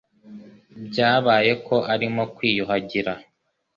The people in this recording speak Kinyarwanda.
Byabaye ko arimo kwiyuhagira.